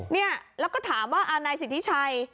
เนี่ยแล้วก็ถามว่านายสิทธิชัย